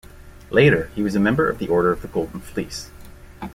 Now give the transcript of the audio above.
Later, he was a member of the Order of the Golden Fleece.